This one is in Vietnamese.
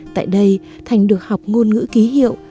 tại đây thành được học ngôn ngữ ký hiệu